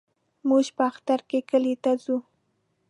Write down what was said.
موږ به اختر ته کلي له زو.